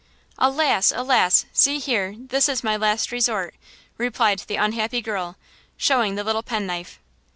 "Alas! alas! see here! this is my last resort!" replied the unhappy girl, showing the little pen knife.